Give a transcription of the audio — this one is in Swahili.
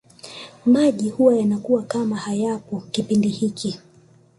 Maji huwa yanakuwa kama hayapo kipindi hiki